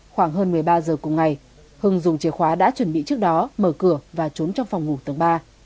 khoảng hơn một mươi ba giờ cùng ngày hưng dùng chìa khóa đã chuẩn bị trước đó mở cửa và trốn trong phòng ngủ tầng ba